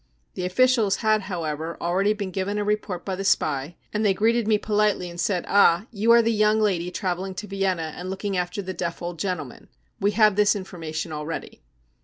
The officials had however already been given a report by the spy, and they greeted me politely and said : 4 Ah, you are the young lady travelling to Vienna and looking after the deaf old gentleman. We have this information already